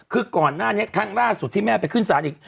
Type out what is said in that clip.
คือก่อนหน้านี้ครั้งล่าสุดที่แม่ไปขึ้นศาลอีก